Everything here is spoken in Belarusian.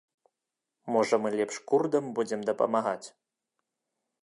Можа, мы лепш курдам будзем дапамагаць?